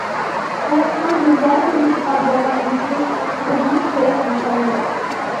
« خەلقنىڭ گۈزەل تۇرمۇشقا بولغان ئىنتىلىشى بىزنىڭ كۈرەش نىشانىمىز».